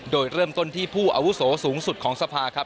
โดยเริ่มต้นที่ผู้อาวุโสสูงสุดของสภาครับ